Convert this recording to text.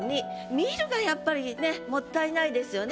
「見る」がやっぱりねもったいないですよね